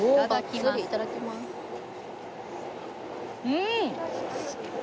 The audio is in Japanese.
うん！